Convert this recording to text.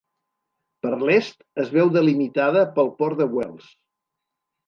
Per l'est, es veu delimitada pel port de Wells.